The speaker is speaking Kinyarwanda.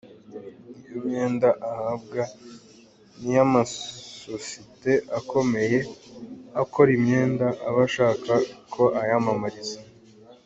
Iyo myenda ahabwa ni iya amasosite akomeye akora imyenda aba ashaka ko ayamamariza.